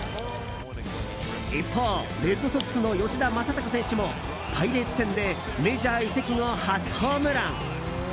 一方、レッドソックスの吉田正尚選手もパイレーツ戦でメジャー移籍後初ホームラン。